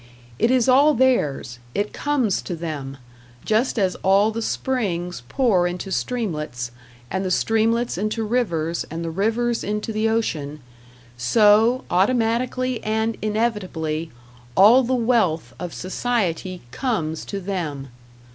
It is all theirs it comes to them; just as all the springs pour into streamlets, and the streamlets into rivers, and the rivers into the ocean so, automatically and inevitably, all the wealth of society comes to them.